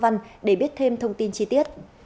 quang văn để biết thêm thông tin chi tiết